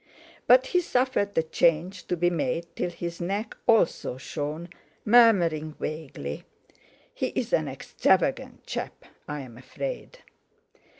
But he suffered the change to be made till his neck also shone, murmuring vaguely: "He's an extravagant chap, I'm afraid."